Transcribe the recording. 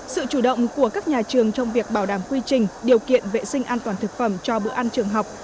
sự chủ động của các nhà trường trong việc bảo đảm quy trình điều kiện vệ sinh an toàn thực phẩm cho bữa ăn trường học